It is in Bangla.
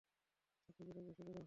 হাঁটু গেড়ে বসে পড়ো।